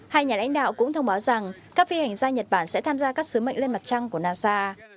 hai nhà lãnh đạo cũng thông báo rằng các phi hành gia nhật bản sẽ tham gia các sứ mệnh lên mặt trăng của nasa